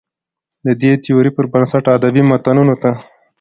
د دې تيورۍ پر بنسټ ادبي متونو ته